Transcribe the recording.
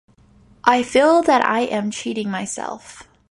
I feel that I am cheating myself.